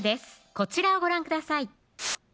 こちらをご覧ください